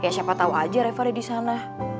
ya siapa tau aja reva ada disana